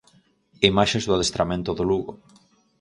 Imaxes do adestramento do Lugo.